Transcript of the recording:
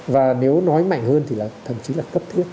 và nếu nói mạnh hơn thì là thậm chí là cấp thiết